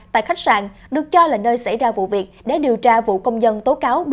tại khách sạn được cho là nơi xảy ra vụ việc để điều tra vụ công dân tố cáo